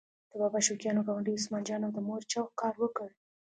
د بابا شوقیانو ګاونډي عثمان جان او د مور چغو کار وکړ.